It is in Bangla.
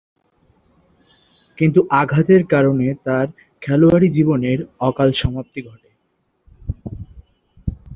কিন্তু, আঘাতের কারণে তার খেলোয়াড়ী জীবনের অকাল সমাপ্তি ঘটে।